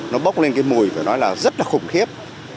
nó bốc lên cái mùi phải nói là rất là khủng khiếp